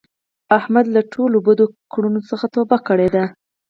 احمد له ټولو بدو کړونو څخه توبه کړې ده.